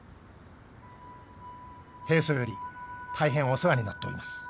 「平素より大変お世話になっております」。